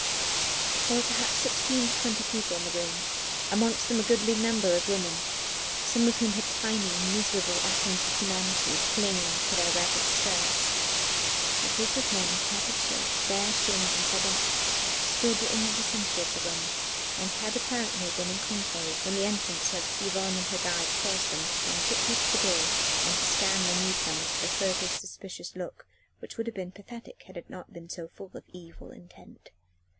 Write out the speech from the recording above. There were perhaps sixteen to twenty people in the room amongst them a goodly number of women, some of whom had tiny, miserable atoms of humanity clinging to their ragged skirts. A group of men in tattered shirts, bare shins and sabots stood in the centre of the room and had apparently been in conclave when the entrance of Yvonne and her guide caused them to turn quickly to the door and to scan the new comers with a furtive, suspicious look which would have been pathetic had it not been so full of evil intent.